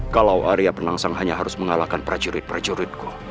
kalau area penangsang hanya harus mengalahkan prajurit prajuritku